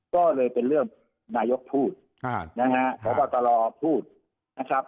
ก็เลยเป็นเรื่องนายกพูดนะฮะพบตรพูดนะครับ